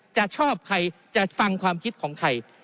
จะชอบใครจะฟังความคิดของใคร